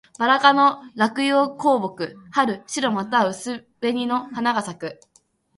ばら科の落葉高木。春、白または薄紅の花が咲く。